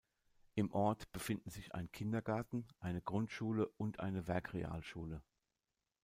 Im Ort befinden sich ein Kindergarten, eine Grundschule und eine Werkrealschule.